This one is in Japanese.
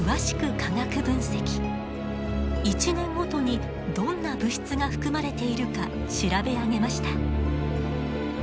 １年ごとにどんな物質が含まれているか調べ上げました。